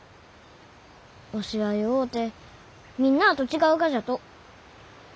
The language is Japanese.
わしは弱うてみんなあと違うがじゃと。